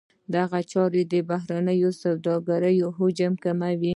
دغه چاره د بهرنۍ سوداګرۍ حجم کموي.